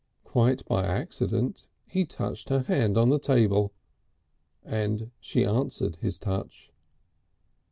Quite by accident he touched her hand on the table, and she answered his touch.